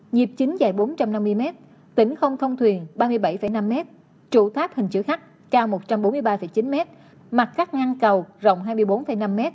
nhịp chính dài bốn trăm năm mươi m tỉnh không thông thuyền ba mươi bảy năm m trụ tháp hình chữ khách cao một trăm bốn mươi ba chín m mặt cắt ngang cầu rộng hai mươi bốn năm m